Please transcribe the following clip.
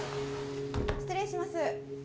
失礼します。